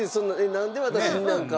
なんで私になんか」。